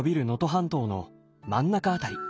半島の真ん中辺り。